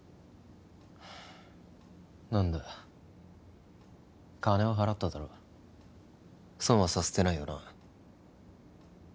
何だ金は払っただろ損はさせてないよな